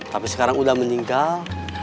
tapi sekarang udah meninggal